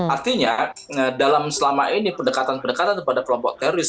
artinya dalam selama ini pendekatan pendekatan kepada kelompok teroris